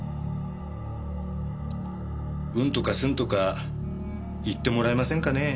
うんとかすんとか言ってもらえませんかねえ？